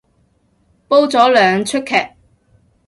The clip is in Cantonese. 煲咗兩齣劇